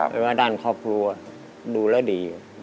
เป็นว่าด้านครอบครัวดูแล้วดี